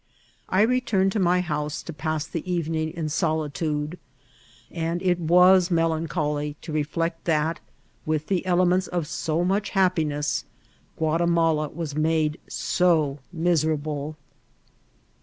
I re* turned to my house, to pass the evening in solitude ; and it was melancholy to* reflect that, with the elements of so much happiness, Ghiatimala was made so miser* aUe.